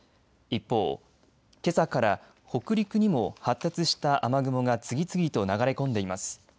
一方、けさから北陸にも発達した雨雲が次々と流れ込んでいます。